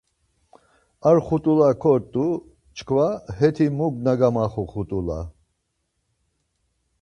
Ar xut̆ula kort̆u çkva heti muk na gamaxu xut̆ula.